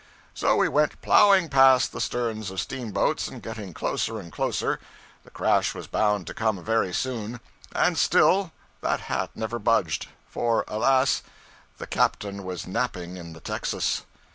So we went plowing past the sterns of steamboats and getting closer and closer the crash was bound to come very soon and still that hat never budged; for alas, the captain was napping in the texas....